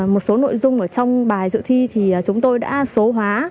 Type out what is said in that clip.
một số nội dung ở trong bài dự thi thì chúng tôi đã số hóa